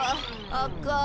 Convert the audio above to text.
あかん。